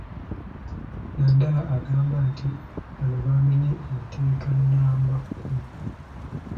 Nandala agamba nti bano baamenye etteeka nnamba kkumi.